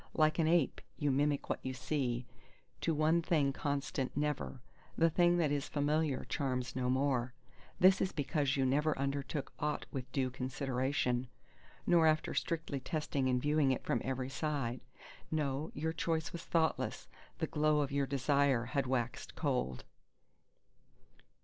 Like an ape, you mimic what you see, to one thing constant never; the thing that is familiar charms no more. This is because you never undertook aught with due consideration, nor after strictly testing and viewing it from every side; no, your choice was thoughtless; the glow of your desire had waxed cold